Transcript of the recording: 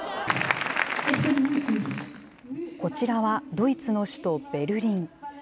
こちらはドイツの首都ベルリン。